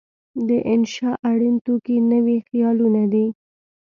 د انشأ اړین توکي نوي خیالونه دي.